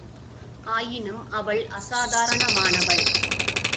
ஆயினும், அவள் அசாதாரணமானவள்.